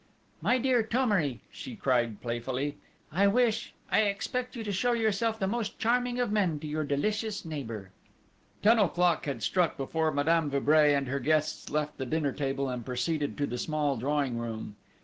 "My dear Thomery!" she cried playfully: "I wish I expect you to show yourself the most charming of men to your delicious neighbour!" Ten o'clock had struck before Madame de Vibray and her guests left the dinner table and proceeded to the small drawing room.